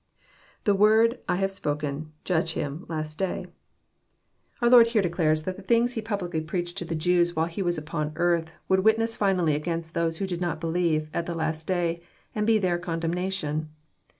IThe word. »,I have spoken,,. judge him,„last day."] Our Lord here declares that the things He publicly preached to the Jews while He was upon earth would witness finally against those who did not believe, at the last day, and be their condemnation.